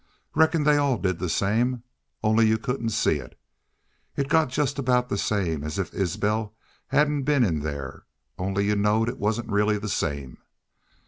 Reckon they all did the same, only you couldn't see it. It got jest about the same as if Isbel hedn't been in thar, only you knowed it wasn't really the same.